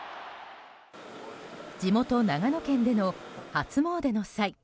地元・長野県での初詣の際